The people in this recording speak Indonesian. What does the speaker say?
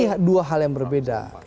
ini dua hal yang berbeda